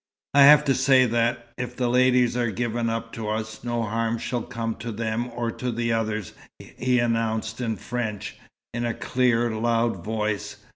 "I have to say that, if the ladies are given up to us, no harm shall come to them or to the others," he announced in French, in a clear, loud voice.